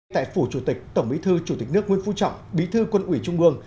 tại phủ chủ tịch tổng bí thư chủ tịch nước nguyễn phú trọng bí thư quân ủy trung ương